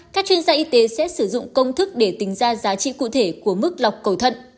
các chuyên gia y tế sẽ sử dụng công thức để tính ra giá trị cụ thể của mức lọc cầu thận